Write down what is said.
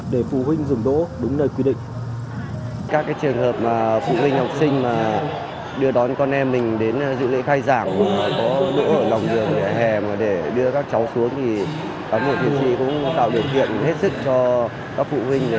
để phụ huynh dùng đỗ đúng nơi quy định